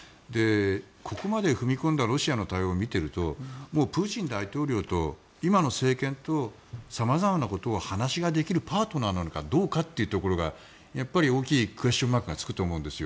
ここまで踏み込んだロシアの対応を見ているとプーチン大統領と今の政権と様々なことを話し合えるパートナーなのかどうかというところがやっぱり大きいクエスチョンマークがつくと思うんです。